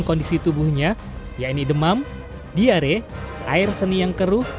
dan kondisi tubuhnya yaitu demam diare air seni yang keruh